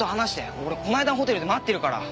俺この間のホテルで待ってるから！